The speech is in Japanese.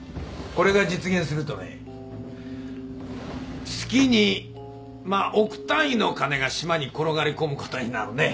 これが実現するとね月にまぁ億単位の金が島に転がり込むことになるね。